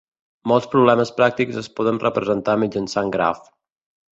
Molts problemes pràctics es poden representar mitjançant grafs.